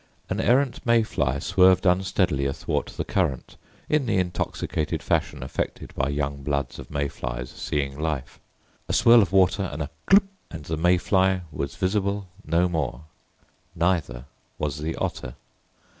An errant May fly swerved unsteadily athwart the current in the intoxicated fashion affected by young bloods of May flies seeing life. A swirl of water and a "cloop!" and the May fly was visible no more. Neither was the Otter.